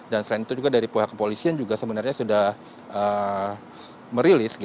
dan selain itu juga dari pihak kepolisian juga sebenarnya sudah merilis